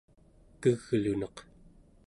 kegluneq